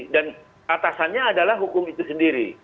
dan atasannya adalah hukum itu sendiri